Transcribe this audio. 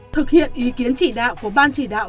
thực hiện ý kiến chỉ đạo của ban chỉ đạo